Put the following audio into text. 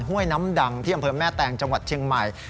ห้วยน้ำดังที่อำเภอแม่แตงจังหวัดเชียงใหม่